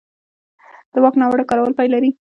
د واک ناوړه کارول پای لري